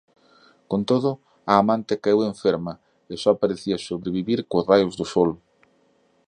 Con todo a amante caeu enferma e só parecía sobrevivir cos raios do sol.